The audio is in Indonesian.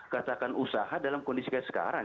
katakan usaha dalam kondisi kayak sekarang